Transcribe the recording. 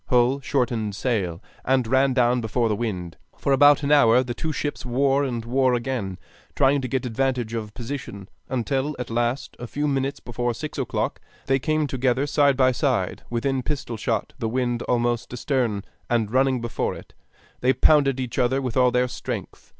Hull shortened sail, and ran down before the wind. For about an hour the two ships wore and wore again, trying to get advantage of position; until at last, a few minutes before six o'clock, they came together side by side, within pistol shot, the wind almost astern, and running before it, they pounded each other with all their strength.